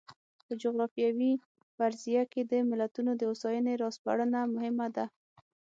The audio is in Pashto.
په جغرافیوي فرضیه کې د ملتونو د هوساینې را سپړنه مهمه ده.